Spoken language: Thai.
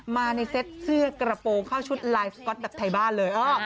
มาในเซตเสื้อกระโปรงเข้าชุดลายสก๊อตแบบไทยบ้านเลย